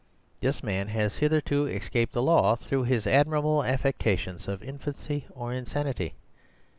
This man has hitherto escaped the law, through his admirable affectations of infancy or insanity.